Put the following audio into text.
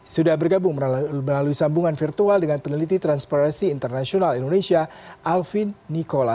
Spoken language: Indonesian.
sudah bergabung melalui sambungan virtual dengan peneliti transparansi internasional indonesia alvin nikola